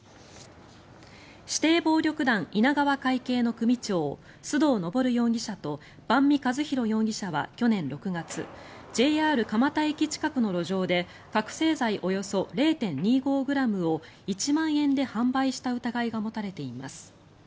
指定暴力団稲川会系の組長須藤昇容疑者と萬實一浩容疑者は去年６月ＪＲ蒲田駅近くの路上で覚醒剤およそ０．２５ｇを１万円で販売した疑いが持たれています。